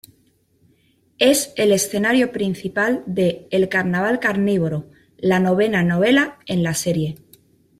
Es el escenario principal de "El carnaval carnívoro", la novena novela en la serie.